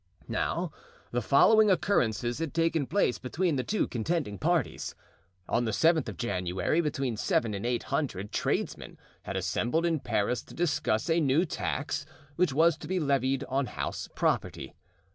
Now the following occurrences had taken place between the two contending parties. On the seventh of January between seven and eight hundred tradesmen had assembled in Paris to discuss a new tax which was to be levied on house property.